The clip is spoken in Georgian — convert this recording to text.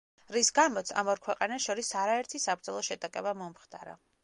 რის გამოც ამ ორ ქვეყანას შორის არაერთი საბრძოლო შეტაკება მომხდარა.